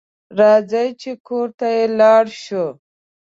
راځه چې کور ته لاړ شو